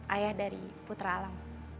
ayah dari putra alam